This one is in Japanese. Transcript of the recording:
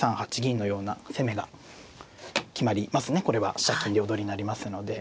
飛車金両取りになりますので。